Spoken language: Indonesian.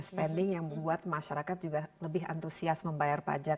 spending yang membuat masyarakat juga lebih antusias membayar pajak